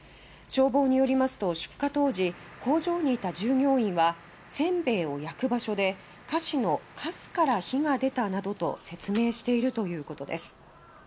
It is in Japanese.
消防によりますと出火当時、工場にいた従業員は「せんべいを焼く場所で菓子のカスから火が出た」などと説明しているということです。